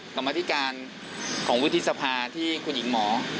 กรรมธิการของวุฒิสภาที่คุณหญิงหมอ